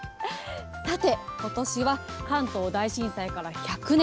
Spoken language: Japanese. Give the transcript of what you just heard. さて、ことしは関東大震災から１００年。